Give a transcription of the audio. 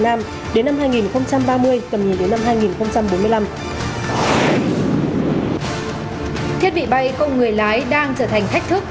nam đến năm hai nghìn ba mươi tầm nhìn đến năm hai nghìn bốn mươi năm thiết bị bay công người lái đang trở thành thách thức